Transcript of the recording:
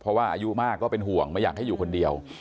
เพราะว่าอายุมากก็เป็นห่วงไม่อยากให้อยู่คนเดียว